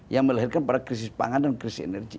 yang melahirkan pada krisis pangan dan krisis energi